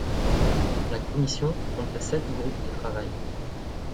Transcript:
La Commission compta sept groupes de travail.